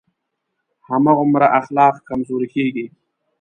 هماغومره اخلاق کمزوری کېږي.